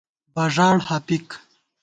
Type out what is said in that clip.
بݫاڑ ہَپِک